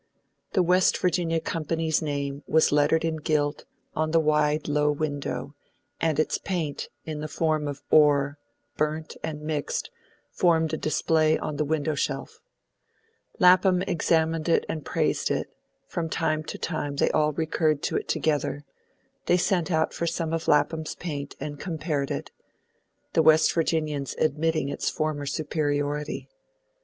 The West Virginia company's name was lettered in gilt on the wide low window, and its paint, in the form of ore, burnt, and mixed, formed a display on the window shelf Lapham examined it and praised it; from time to time they all recurred to it together; they sent out for some of Lapham's paint and compared it, the West Virginians admitting its former superiority.